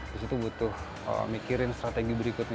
di situ butuh mikirin strategi berikutnya